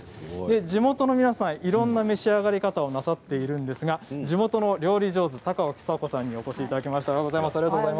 地元の皆さん、いろいろな召し上がり方をされているんですが地元の料理上手高尾久子さんにお越しいただきました。